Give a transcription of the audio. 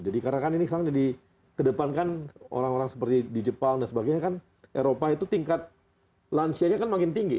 jadi karena kan ini sangat jadi kedepan kan orang orang seperti di jepang dan sebagainya kan eropa itu tingkat lansianya kan makin tinggi nih